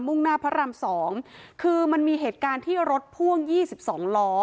่งหน้าพระราม๒คือมันมีเหตุการณ์ที่รถพ่วง๒๒ล้อ